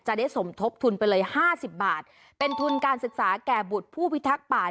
จะได้สมทบทุนไปเลยห้าสิบบาทเป็นทุนการศึกษาแก่บุตรผู้พิทักษ์ป่า